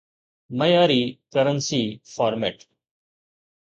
معياري currency format